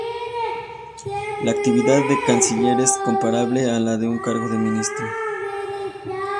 La actividad de canciller es comparable a la de un cargo de ministro.